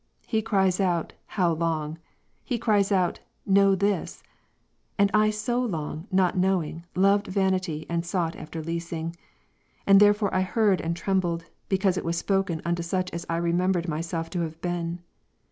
He cries out, How long ? He cries out, Know this : and I so long, not knowing, loved vanity, and sought after leasing : and there fore I heard and trembled, because it was spoken unto such as I remembered myself to have been.